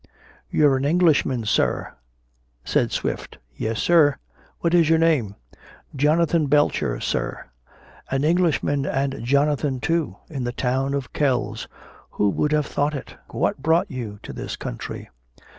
"You're an Englishman, Sir?" said Swift. "Yes, Sir." "What is your name?" "Jonathan Belcher, Sir." "An Englishman and Jonathan too, in the town of Kells who would have thought it! What brought you to this country?"